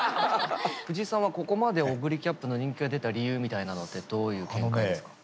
藤井さんはここまでオグリキャップの人気が出た理由みたいなのってどういう見解ですか？